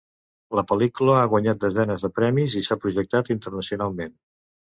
La pel·lícula ha guanyat desenes de premis i s'ha projectat internacionalment.